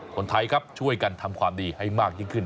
คนไทยครับช่วยกันทำความดีให้มากยิ่งขึ้น